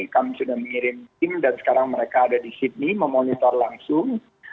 kami sudah mengirim tim dan sekarang mereka ada di sydney memonitor langsung